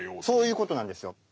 そういう事なんですよ。